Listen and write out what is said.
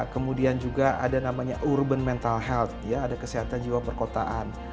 kemudian juga ada namanya urban mental health ada kesehatan jiwa perkotaan